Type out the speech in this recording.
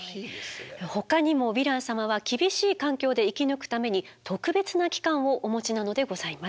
ほかにもヴィラン様は厳しい環境で生き抜くために特別な器官をお持ちなのでございます。